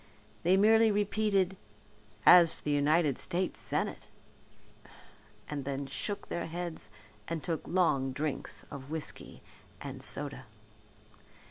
They merely repeated "as for the United States Senate " and then shook their heads and took long drinks of whiskey and soda.